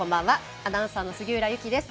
アナウンサーの杉浦友紀です。